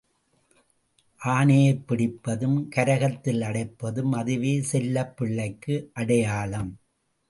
ஆனையைப் பிடிப்பதும் கரகத்தில் அடைப்பதும் அதுவே செல்லப் பிள்ளைக்கு அடையாளம்.